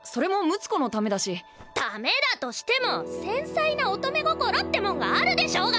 ためだとしても繊細な乙女心ってもんがあるでしょうが。